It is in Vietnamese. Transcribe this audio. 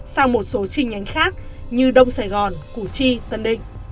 sang một số chi nhánh khác như đông sài gòn củ chi tân định